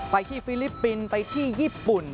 ที่ฟิลิปปินส์ไปที่ญี่ปุ่น